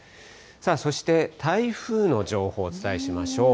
そして台風の情報お伝えしましょう。